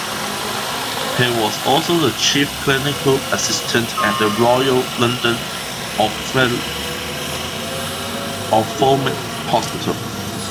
He was also the Chief Clinical Assistant at the Royal London Ophthalmic Hospital.